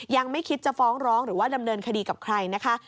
ยังไม่คิดจะฟ้องร้องหรือว่าดำเนินคดีกับใครนะคะ